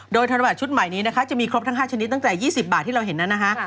โดยธนบัตรชุดใหม่นี้จะมีครบทั้ง๕ชนิดตั้งแต่๒๐บาทที่เราเห็น